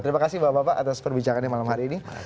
terima kasih bapak bapak atas perbincangannya malam hari ini